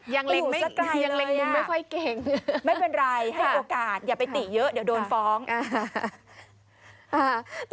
อยู่สักไกลเลยอะไม่เป็นไรให้โอกาสอย่าไปติเยอะเดี๋ยวโดนฟ้องฮ่าฮ่า